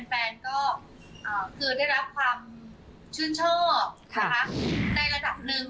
แฟนก็คือได้รับความชื่นชอบในระดับหนึ่ง